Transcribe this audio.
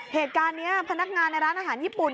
เหตุการณ์นี้พนักงานในร้านอาหารญี่ปุ่น